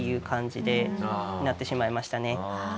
なってしまいましたね。